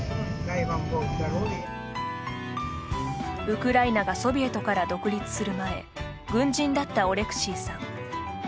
ウクライナがソビエトから独立する前軍人だったオレクシーさん。